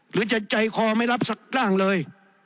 หรือจะใจคอไม่รับสักร่างเลย